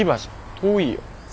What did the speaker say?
遠いよ。